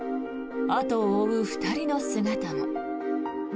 後を追う２人の姿も。